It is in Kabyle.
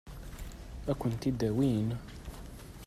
Ad kent-t-id-awin?